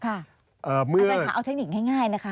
อาจารย์ค่ะเอาเทคนิคง่ายนะคะ